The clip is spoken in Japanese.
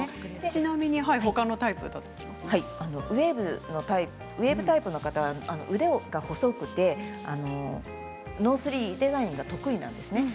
ちなみに、ほかのタイプはウエーブタイプの方は腕が細くてノースリーブのラインが得意なんです。